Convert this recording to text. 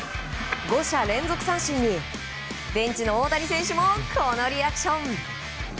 ５者連続三振にベンチの大谷選手もこのリアクション。